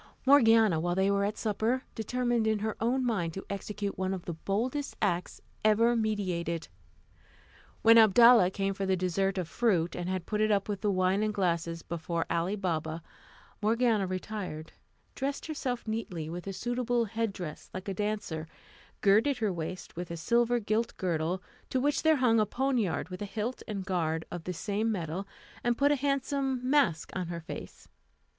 Morgiana, while they were at supper, determined in her own mind to execute one of the boldest acts ever meditated. When Abdalla came for the dessert of fruit, and had put it with the wine and glasses before Ali Baba, Morgiana retired, dressed herself neatly, with a suitable head dress like a dancer, girded her waist with a silver gilt girdle, to which there hung a poniard with a hilt and guard of the same metal, and put a handsome mask on her face.